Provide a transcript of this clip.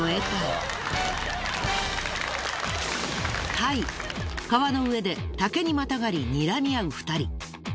タイ川の上で竹にまたがりにらみ合う２人。